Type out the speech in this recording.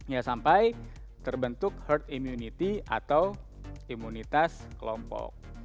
ya sampai terbentuk herd immunity atau imunitas kelompok